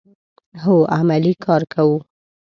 هو، عملی کار کوو